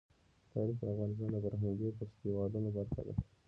تاریخ د افغانستان د فرهنګي فستیوالونو برخه ده.